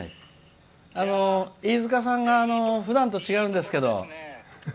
飯塚さんがふだんと違うんですけど。